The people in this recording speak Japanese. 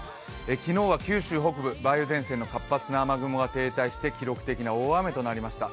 昨日は九州北部、梅雨前線の活発な雨雲が停滞して記録的な大雨となりました。